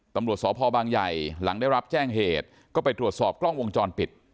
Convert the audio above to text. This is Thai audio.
ตำรวจสพบางใหญ่หลังได้รับแจ้งเหตุก็ไปตรวจสอบกล้องวงจรปิด